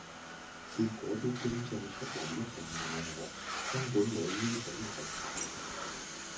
結果啲觀眾出嚟一定鬧我，根本無呢種頭髮！